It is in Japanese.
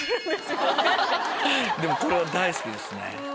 これは大好きですね。